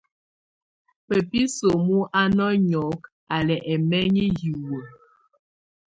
Bab isǝ́mu á ná nyɔ́kɔ, á lɛ́ ɛmɛŋɛ hiwǝ́.